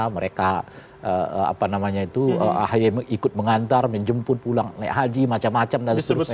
mereka ikut mengantar menjemput pulang naik haji macam macam dan seterusnya